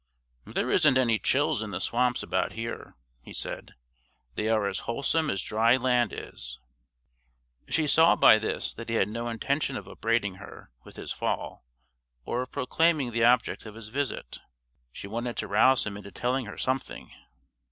"There isn't any chills in the swamps about here," he said; "they are as wholesome as dry land is." She saw by this that he had no intention of upbraiding her with his fall, or of proclaiming the object of his visit. She wanted to rouse him into telling her something.